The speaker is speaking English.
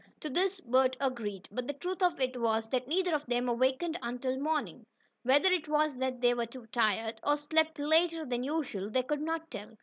To this Bert agreed, but the truth of it was that neither of them awakened until morning. Whether it was that they were too tired, or slept later than usual, they could not tell.